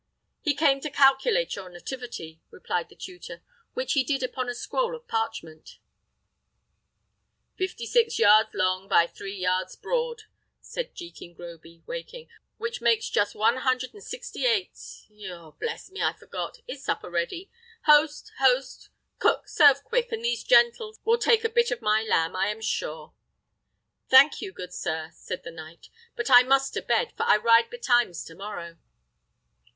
"He came to calculate your nativity," replied the tutor, "which he did upon a scroll of parchment " "Fifty six yards long by three yards broad," said Jekin Groby, waking, "which makes just one hundred and sixty eight: yaw Bless me, I forgot! Is supper ready? Host, host! Cook, serve quick, and these gentles will take a bit of my lamb, I am sure." "I thank you, good sir," said the knight, "but I must to bed, for I ride betimes to morrow."